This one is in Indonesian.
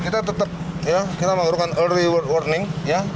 kita tetap ya kita mengurungkan early warning ya